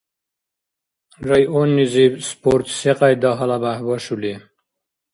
Районнизиб спорт секьяйда гьалабяхӀ башули?